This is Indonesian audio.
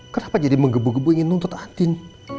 kenapa jadi menggebu gebu ingin tuntut andin